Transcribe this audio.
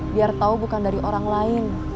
biar tahu bukan dari orang lain